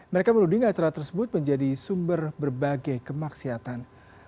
mereka menuding acara tersebut menjadi sumber berbagai kemaksiatan